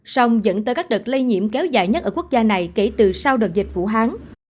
song dẫn tới các đợt lây nhiễm kéo dài nhất ở quốc gia này kể từ sau đợt dịch vũ hán